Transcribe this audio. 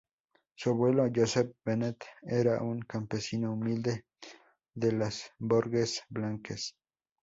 Su abuelo Josep Benet era un campesino humilde de las Borges Blanques.